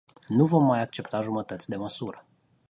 Nu vom mai accepta jumătăți de măsură.